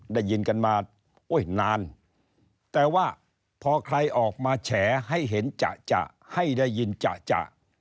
ได้ยินกันมาโอ้ยนานแต่ว่าพอใครออกมาแฉให้เห็นจะจะให้ได้ยินจะ